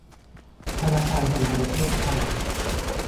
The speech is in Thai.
ธนาคารแห่งประเทศไทย